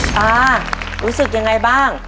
ตารู้สึกยังไงบ้าง